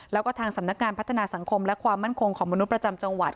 แล้วก็ทางสำนักงานพัฒนาสังคมและความมั่นคงของมนุษย์ประจำจังหวัด